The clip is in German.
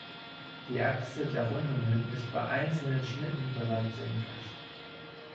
Die Achse der Rundungen ist bei einzelnen Schnitten bereits senkrecht.